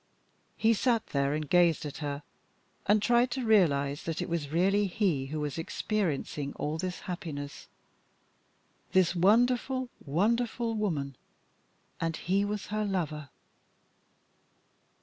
He sat there, and gazed at her, and tried to realise that it was really he who was experiencing all this happiness. This wonderful, wonderful woman and he was her lover.